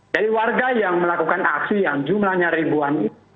dari warga yang melakukan aksi yang jumlahnya ribuan itu